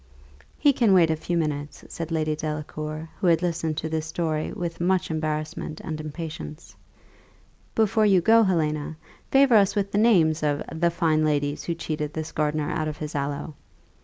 "He can wait a few minutes," said Lady Delacour, who had listened to this story with much embarrassment and impatience. "Before you go, Helena, favour us with the names of the fine ladies who cheated this old gardener out of his aloe."